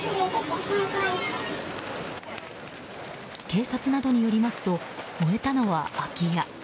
警察などによりますと燃えたのは空き家。